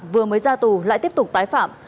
vừa mới ra tù lại tiếp tục tái phạm